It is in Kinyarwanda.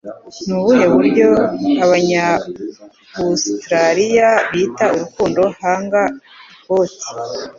Ni ubuhe buryo Abanyaustraliya Bita Urukundo Hanga Ikoti?